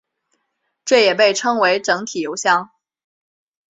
这也被称为整体油箱。